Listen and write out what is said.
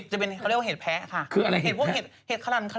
จะเป็นเห็นเห็ดแพะค่ะ